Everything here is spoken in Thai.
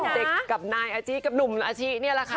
เด็กกับนายอาชิกับหนุ่มอาชินี่แหละค่ะ